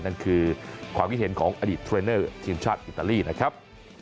นั่นคือความคิดเห็นของอดีตเทรนเนอร์ทีมชาติอิตาลีนะครับ